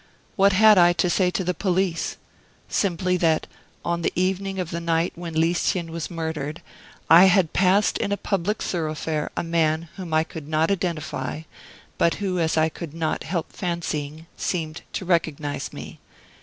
What had I to say to the police? Simply that, on the evening of the night when Lieschen was murdered, I had passed in a public thoroughfare a man whom I could not identify, but who as I could not help fancying, seemed to recognize me.